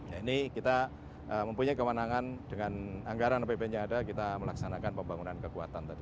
ya ini kita mempunyai kewenangan dengan anggaran apbn yang ada kita melaksanakan pembangunan kekuatan tadi